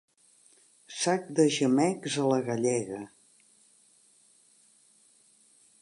Sac de gemecs a la gallega.